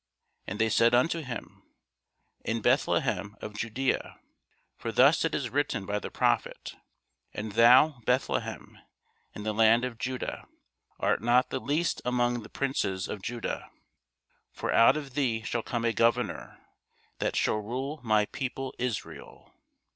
And they said unto him, In Bethlehem of Judæa: for thus it is written by the prophet, And thou Bethlehem, in the land of Juda, art not the least among the princes of Juda: for out of thee shall come a Governor, that shall rule my people Israel.